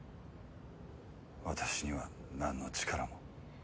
私にはなんの力も。